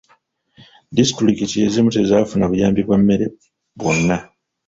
Disitulikiti ezimu tezafuna buyambi bwa mmere bwonna.